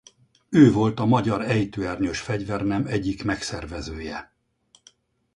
Ő volt a magyar ejtőernyős fegyvernem egyik megszervezője.